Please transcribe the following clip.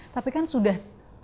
tapi kan sudah